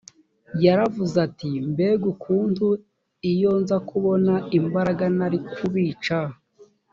yaravuze ati mbega ukuntu iyo nza kubona imbaraga nari kubica